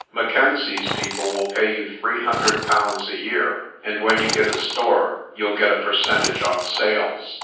Mackenzie's people will pay you three hundred pounds a year, and when you get a store you'll get a percentage on sales.